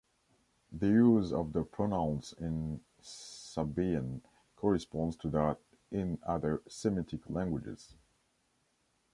The use of the pronouns in Sabaean corresponds to that in other Semitic languages.